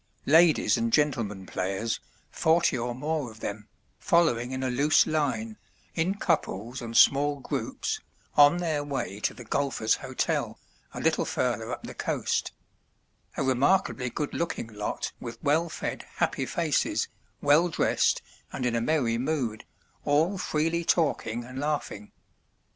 Ladies and gentlemen players, forty or more of them, following in a loose line, in couples and small groups, on their way to the Golfers' Hotel, a little further up the coast; a remarkably good looking lot with well fed happy faces, well dressed and in a merry mood, all freely talking and laughing.